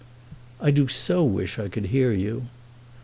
"I do so wish I could hear you."